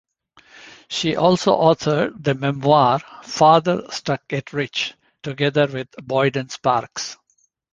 She also authored the memoir "Father Struck It Rich" together with Boyden Sparkes.